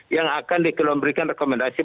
yang akan dikelomberikan rekomendasi